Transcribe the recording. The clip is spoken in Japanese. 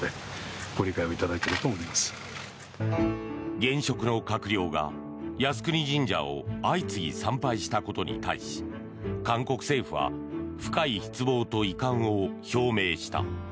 現職の閣僚が靖国神社を相次ぎ参拝したことに対し韓国政府は深い失望と遺憾を表明した。